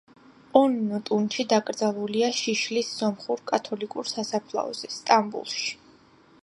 ონნო ტუნჩი დაკრძალულია შიშლის სომხურ კათოლიკურ სასაფლაოზე, სტამბულში.